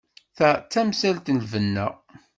Ta d tamsalt n lbenna.